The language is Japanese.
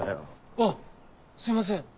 あっすいません。